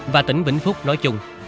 và tỉnh vĩnh phúc nói chung